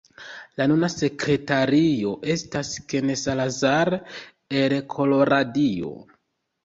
La nuna sekretario estas Ken Salazar el Koloradio.